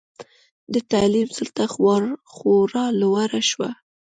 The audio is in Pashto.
د تعلیم سطحه خورا لوړه شوه.